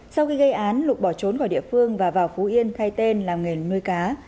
sau khi gây án lục bỏ trốn khỏi địa phương và vào phú yên thay tên làm nghề nuôi cá